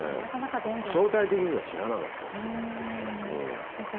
相対的には知らなかったですよ。